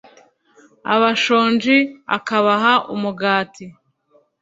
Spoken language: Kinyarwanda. abashonji akabaha umugati